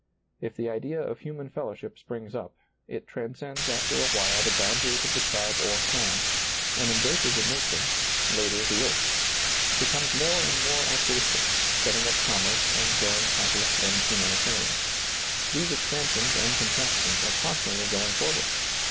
If the idea of hu man fellowship springs up, it transcends after a while the boundaries of the tribe or clan, and embraces a nation, later the earth ; becomes more and more altruistic, setting up commerce and growing catholic and humanitarian. These ex pansions and contractions are constantly going forward.